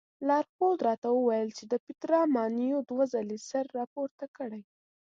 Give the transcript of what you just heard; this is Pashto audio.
لارښود راته وویل چې د پیترا ماڼیو دوه ځلې سر راپورته کړی.